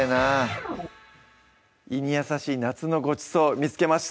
胃に優しい夏のごちそう見つけました